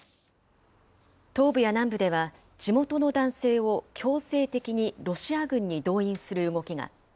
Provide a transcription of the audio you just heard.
東部や南部では、地元の男性を強制的にロシア軍に動員する動きが。